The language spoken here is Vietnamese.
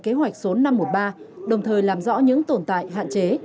kế hoạch số năm trăm một mươi ba đồng thời làm rõ những tồn tại hạn chế